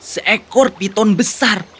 seekor piton besar